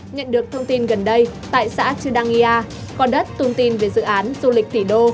nhận được thông tin gần đây tại xã chudangia cò đất tung tin về dự án du lịch tỷ đô